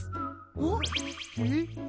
おっ？えっ？